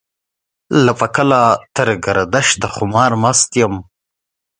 له فکله تر ګردشه خمار مست يم.